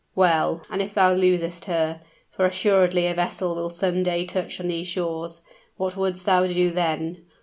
Well and if thou losest her? for assuredly a vessel will some day touch on these shores what would'st thou do then?